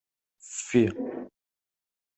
Ffi.